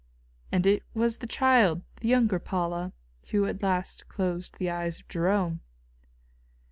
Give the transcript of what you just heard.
And it was the child, the younger Paula, who at last closed the eyes of Jerome.